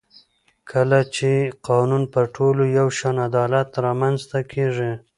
کله چې قانون پر ټولو یو شان وي عدالت رامنځته کېږي